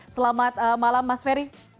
selamat malam mas ferry